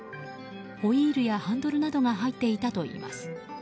ホイールやハンドルなどが入っていたといいます。